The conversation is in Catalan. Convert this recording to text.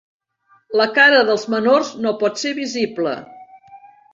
La cara dels menors no pot ser visible.